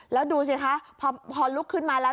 แล้วดูสิคะพอลุกขึ้นมาแล้ว